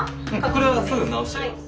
これはすぐ直しちゃいます。